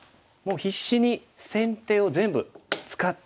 必死に先手を使って。